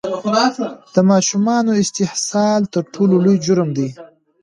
د ماشومانو استحصال تر ټولو لوی جرم دی!